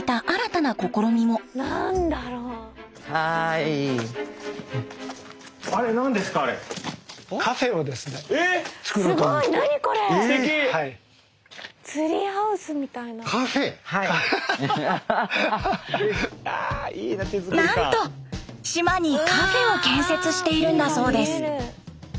なんと島にカフェを建設しているんだそうです。